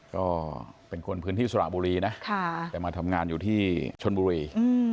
ก็เป็นคนพื้นที่สระบุรีนะแต่มาทำงานอยู่ที่ชนบุรี